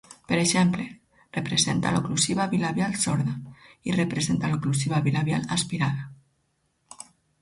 Per exemple representa l'oclusiva bilabial sorda, i representa l'oclusiva bilabial aspirada.